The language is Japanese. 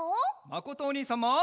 まことおにいさんも！